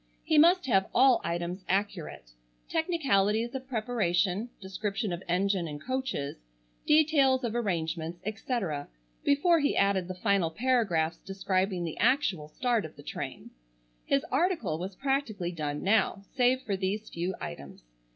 He must have all items accurate; technicalities of preparation; description of engine and coaches; details of arrangements, etc.; before he added the final paragraphs describing the actual start of the train. His article was practically done now, save for these few items.